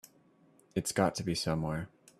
It's got to be somewhere.